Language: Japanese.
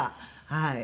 はい。